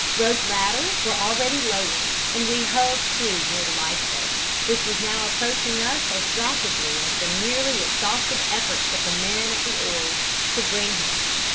Rope ladders were already lowered and we hove to near the life boat, which was now approaching us as rapidly as the nearly exhausted efforts of the men at the oars could bring her.